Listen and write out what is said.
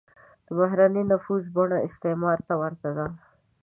د بهرنی نفوذ بڼه استعمار ته ورته ده.